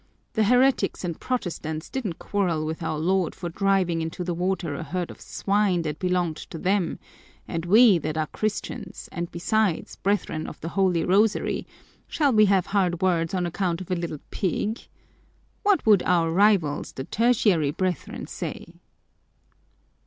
The heretics and Protestants didn't quarrel with Our Lord for driving into the water a herd of swine that belonged to them, and we that are Christians and besides, Brethren of the Holy Rosary, shall we have hard words on account of a little pig! What would our rivals, the Tertiary Brethren, say?"